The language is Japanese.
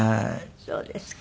そうですか。